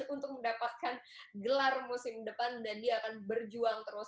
untuk mendapatkan gelar musim depan dan dia akan berjuang terus